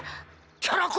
キャラ公